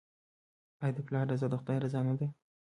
آیا د پلار رضا د خدای رضا نه ده؟